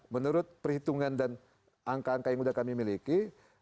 menurut perhitungan dan angka angka yang sudah kami miliki